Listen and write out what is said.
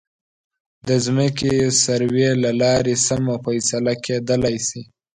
د ځمکې سروې له لارې سمه فیصله کېدلی شي.